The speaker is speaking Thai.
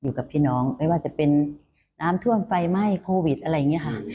อยู่กับพี่น้องไม่ว่าจะเป็นน้ำท่วมไฟไหม้โควิดอะไรอย่างนี้ค่ะ